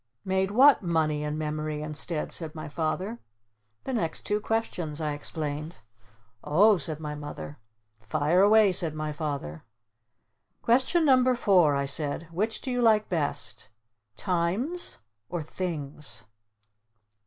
"Made what 'Money' and 'Memory' instead?" said my Father. "The next two questions," I explained. "O h," said my Mother. "Fire away!" said my Father. "Question No. 4," I said. "Which do you like best? Times? or _Things?